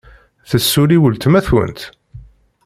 Tessulli weltma-twent?